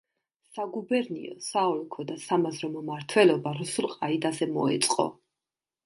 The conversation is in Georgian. საგუბერნიო, საოლქო და სამაზრო მმართველობა რუსულ ყაიდაზე მოეწყო.